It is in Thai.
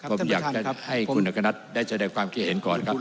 ผมอยากให้คุณเอกณัฐพร้อมพันธุ์ได้แสดงความคิดเห็นก่อนครับ